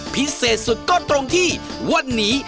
พิเศษสุดก็ตรงที่วันนี้